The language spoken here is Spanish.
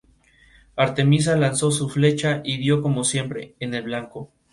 Artemisa lanzó su flecha y dio, como siempre, en el blanco.